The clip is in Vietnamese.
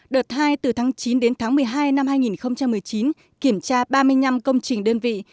đợt hai từ tháng chín đến tháng một mươi hai năm hai nghìn một mươi chín kiểm tra ba mươi năm công trình đơn vị